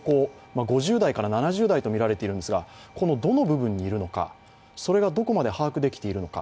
５０代から７０代とみられているんですがこのどの部分にいるのか、それがどこまで把握できているのか。